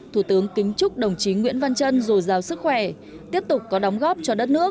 thủ tướng kính chúc đồng chí nguyễn văn trân dồi dào sức khỏe tiếp tục có đóng góp cho đất nước